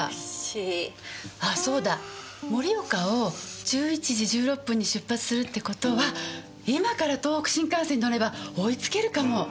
盛岡を１１時１６分に出発するって事は今から東北新幹線に乗れば追いつけるかも。